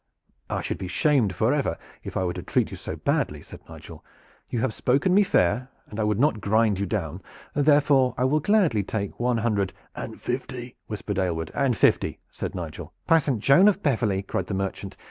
"I should be shamed forever if I were to treat you so badly," said Nigel. "You have spoken me fair, and I would not grind you down. Therefore, I will gladly take one hundred " "And fifty," whispered Aylward. "And fifty," said Nigel. "By Saint John of Beverley!" cried the merchant.